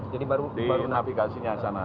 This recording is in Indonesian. jadi baru di navigasinya sana